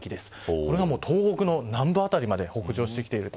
これが東北南部辺りまで北上してきている。